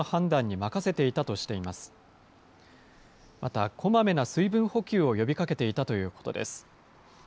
また、こまめな水分補給を呼びかけていたということです。